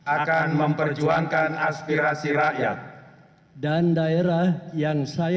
akan memperjuangkan aspirasi rakyat